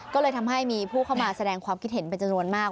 ก็เลยมีผู้เข้ามาแสดงความคิดเห็นมาก